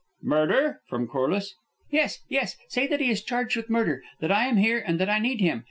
"Murder?" from Corliss. "Yes, yes. Say that he is charged with murder; that I am here; and that I need him.